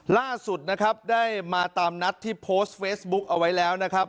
ล่าสุดนะครับได้มาตามนัดที่โพสต์เฟซบุ๊กเอาไว้แล้วนะครับ